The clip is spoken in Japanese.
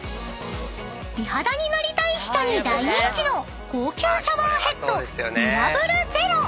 ［美肌になりたい人に大人気の高級シャワーヘッド］